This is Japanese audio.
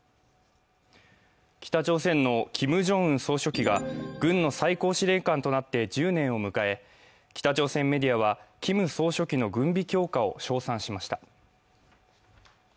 北朝鮮のキム・ジョンウン総書記が軍の最高司令官となって１０年を迎え、北朝鮮メディアはキム総書記の軍備強化を称賛しました。